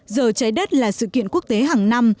giờ trái đất là sự kiện quốc tế hàng năm